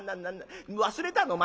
忘れたの？